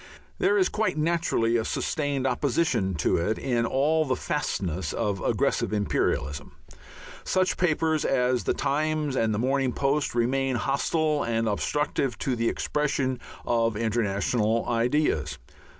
There is quite naturally a sustained opposition to it in all the fastnesses of aggressive imperialism. Such papers as the Times and the Morning Post remain hostile and obstructive to the expression of international ideas.